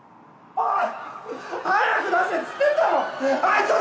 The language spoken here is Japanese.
おい！